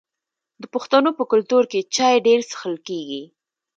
د پښتنو په کلتور کې چای ډیر څښل کیږي.